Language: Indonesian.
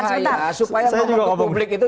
supaya publik itu